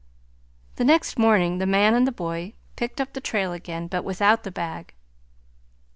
The next morning the man and the boy picked up the trail again, but without the bag.